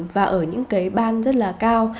và ở những cái ban rất là cao